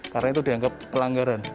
karena itu dianggap kelanggaran